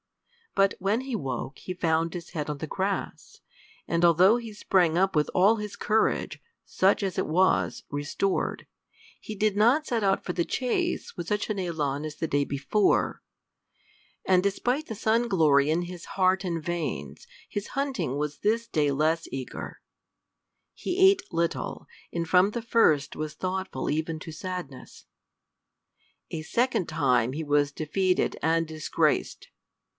But when he woke he found his head on the grass, and although he sprang up with all his courage, such as it was, restored, he did not set out for the chase with such an élan as the day before; and despite the sun glory in his heart and veins, his hunting was this day less eager; he ate little, and from the first was thoughtful even to sadness. A second time he was defeated and disgraced!